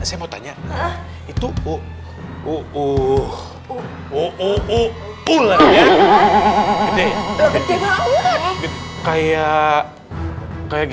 janin dari ampun sayang